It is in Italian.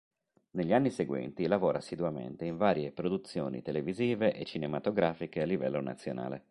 Negli anni seguenti lavora assiduamente in varie produzioni televisive e cinematografiche a livello nazionale.